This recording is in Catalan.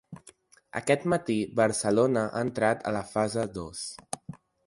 Aquest matí Barcelona ha entrat a la fase dos.